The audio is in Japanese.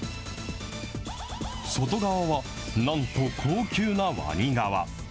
外側はなんと高級なワニ革。